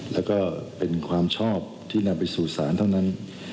แล้วก็เป็นความชอบที่นำไปสู่ศาลเท่านั้น